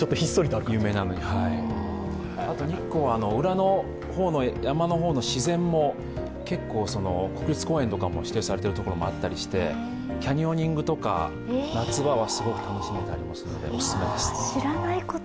あと日光は裏の山の方の自然も国立公園とかに指定されているところがあって、キャニオニングとか、夏場はすごく楽しめたりしますので。